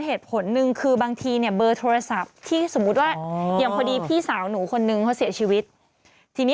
เหตุผลหนึ่งคือบางทีเนี่ยเบอร์โทรศัพท์ที่สมมุติว่าอย่างพอดีพี่สาวหนูคนนึงเขาเสียชีวิตทีนี้